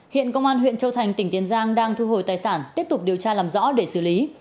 hiện công an huyện châu thành tỉnh tiền giang đang thu hồi tài sản tiếp tục điều tra làm rõ để xử lý